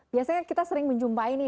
biasanya kita sering menjumpa ini